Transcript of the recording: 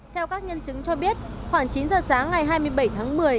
theo các nhân chứng cho biết khoảng chín giờ sáng ngày hai mươi bảy tháng một mươi